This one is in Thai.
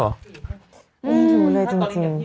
ไม่ถึงเลยจริง